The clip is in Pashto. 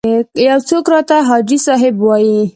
یو څوک راته حاجي صاحب وایي.